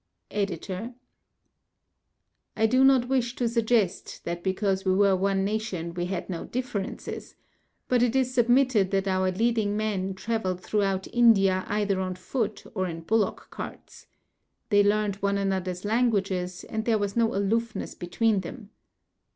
EDITOR: I do not wish to suggest that because we were one nation we had no differences, but it is submitted that our leading men travelled throughout India either on foot or in bullock carts. They learned one another's languages, and there was no aloofness between them.